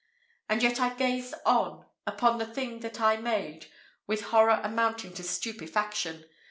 And yet I gazed on, upon the thing that I made, with horror amounting to stupefaction.